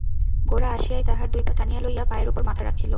গোরা আসিয়াই তাঁহার দুই পা টানিয়া লইয়া পায়ের উপর মাথা রাখিল।